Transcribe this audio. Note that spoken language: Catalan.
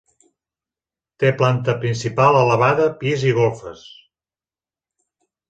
Té planta principal elevada, pis i golfes.